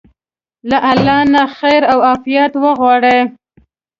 له الله نه خير او عافيت وغواړئ.